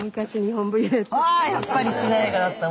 あやっぱりしなやかだったもん